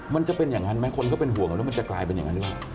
มันจะเป็นอย่างนั้นไหมคนก็เป็นห่วงกันแล้วมันจะกลายเป็นอย่างนั้นหรือเปล่า